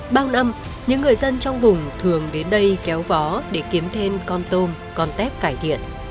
bao năm những người dân trong vùng thường đến đây kéo vó để kiếm thêm con tôm con tép cải thiện